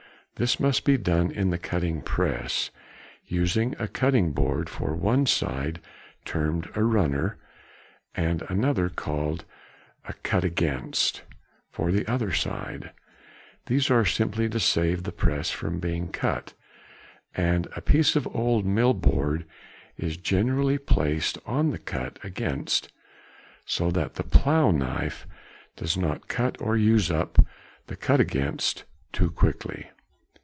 This must be done in the cutting press, using a cutting board for one side termed a "runner," and another called a "cut against" for the other side. |55| These are simply to save the press from being cut; and a piece of old mill board is generally placed on the cut against, so that the plough knife does not cut or use up the cut against too quickly.